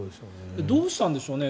どうしたんでしょうね。